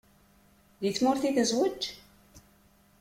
Deg tmurt i tezweǧ?